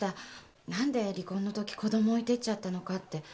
何で離婚のとき子供置いてっちゃったのかって。